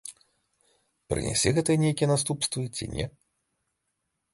Прынясе гэта нейкія наступствы ці не.